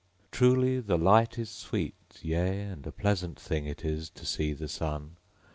_Truly, the light is sweet Yea, and a pleasant thing It is to see the Sun.